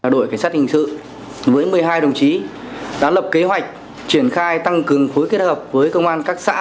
đội cảnh sát hình sự với một mươi hai đồng chí đã lập kế hoạch triển khai tăng cường phối kết hợp với công an các xã